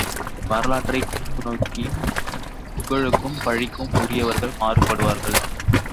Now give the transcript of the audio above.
வரலாற்றைக் கூர்ந்து நோக்கின் புகழுக்கும் பழிக்கும் உரியவர்கள் மாறுபடுவார்கள்!